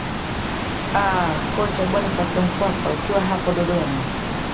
aa kocha bonface mkwasa ukiwa hapo dodoma